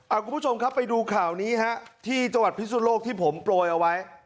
คุณผู้ชมครับไปดูข่าวนี้ฮะที่จังหวัดพิสุนโลกที่ผมโปรยเอาไว้